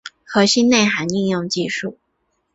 核心内涵应用技术